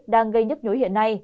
đang gây nhức nhối hiệu